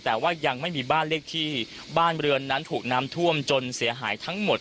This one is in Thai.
แต่ว่ายังไม่มีบ้านเลขที่บ้านเรือนนั้นถูกน้ำท่วมจนเสียหายทั้งหมด